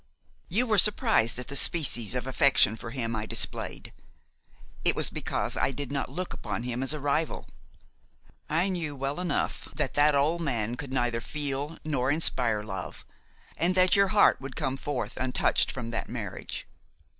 You were surprised at the species of affection for him I displayed; it was because I did not look upon him as a rival. I knew well enough that that old man could neither feel nor inspire love, and that your heart would come forth untouched from that marriage.